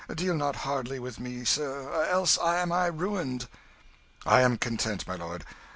Deal not hardly with me, sir, else am I ruined." "I am content, my lord.